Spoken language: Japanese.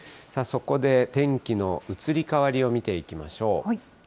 そこで天気の移り変わりを見ていきましょう。